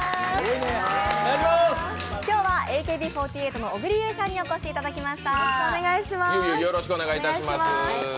今日はＡＫＢ４８の小栗有以さんにお越しいただきました。